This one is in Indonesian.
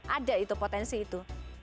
ada itu potensi itu